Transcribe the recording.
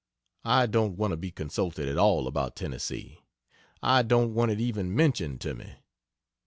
I don't want to be consulted at all about Tenn. I don't want it even mentioned to me.